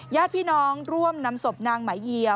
ญาติพี่น้องร่วมนำศพนางหมายเยียว